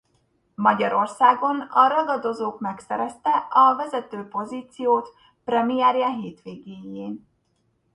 Magyarországon a Ragadozók megszerezte a vezető pozíciót premierje hétvégéjén.